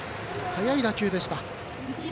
速い打球でした。